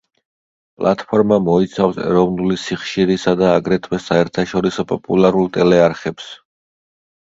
პლატფორმა მოიცავს ეროვნული სიხშირისა და აგრეთვე, საერთაშორისო პოპულარულ ტელეარხებს.